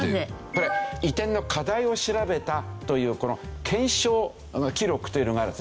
これ移転の課題を調べたという検証記録というのがあるんですね。